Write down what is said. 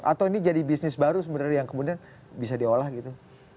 atau ini jadi bisnis baru sebenarnya yang kemudian bisa diolah gitu